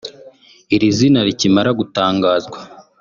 Iri zina rikimara gutangazwa